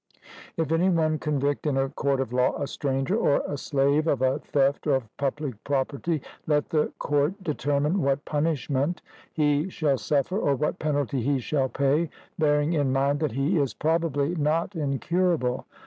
If any one convict in a court of law a stranger or a slave of a theft of public property, let the court determine what punishment he shall suffer, or what penalty he shall pay, bearing in mind that he is probably not incurable.